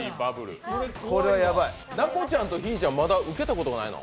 奈子ちゃんとひぃちゃんはまだ受けたことないの？